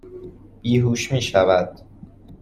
بیهوش میشود